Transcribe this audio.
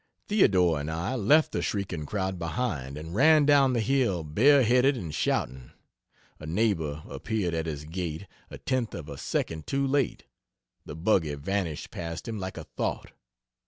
Theodore and I left the shrieking crowd behind and ran down the hill bare headed and shouting. A neighbor appeared at his gate a tenth of a second too late! the buggy vanished past him like a thought.